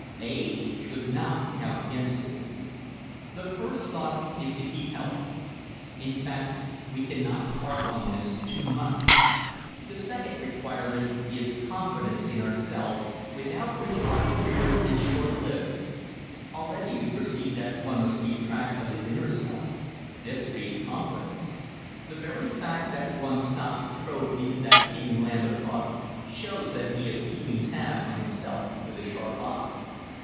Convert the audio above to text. Age should not count against him. The first thought is to keep healthy. In fact, we cannot harp on this too much. The second requirement is confidence in ourselves, without which our career is short lived. Already we perceive that one must keep track of his inner self. This breeds confidence. The very fact that one stops to probe into that hidden land of thought shows that he is keeping tab on himself with a sharp eye.